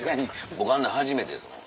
僕あんなん初めてですもん